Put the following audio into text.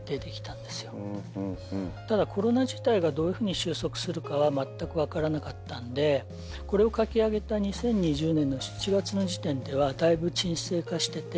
ただコロナ自体がどういうふうに終息するかはまったく分からなかったんでこれを書き上げた２０２０年の７月の時点ではだいぶ沈静化してて。